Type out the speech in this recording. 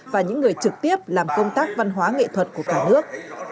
và những người trực tiếp làm công tác văn hóa nghệ thuật của cả nước